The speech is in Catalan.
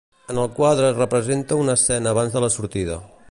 En el quadre es representa una escena abans de la sortida.